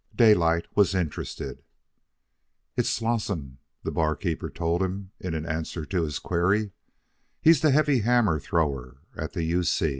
Daylight was interested. "It's Slosson," the barkeeper told him, in answer to his query. "He's the heavy hammer thrower at the U.